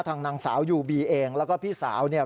นางสาวยูบีเองแล้วก็พี่สาวเนี่ย